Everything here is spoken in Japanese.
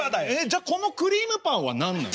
じゃこのクリームパンは何なの？